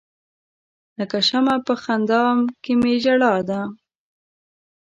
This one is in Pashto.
لکه شمع په خندا کې می ژړا ده.